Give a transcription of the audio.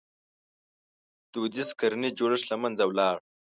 • دودیز کرنیز جوړښت له منځه ولاړ.